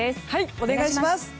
お願いします。